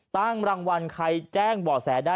ตั้งรางวัลใครแจ้งบ่อแสได้